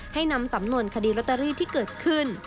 ให้นำสำนวนคดีลอตเตอรี่ที่เกิดขึ้น